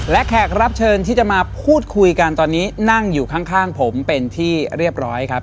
และแขกรับเชิญที่จะมาพูดคุยกันตอนนี้นั่งอยู่ข้างผมเป็นที่เรียบร้อยครับ